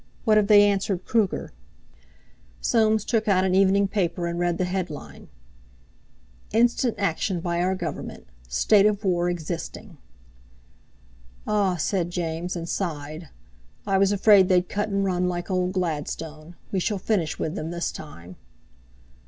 What have they answered Kruger?" Soames took out an evening paper, and read the headline. "'Instant action by our Government—state of war existing!'" "Ah!" said James, and sighed. "I was afraid they'd cut and run like old Gladstone. We shall finish with them this time."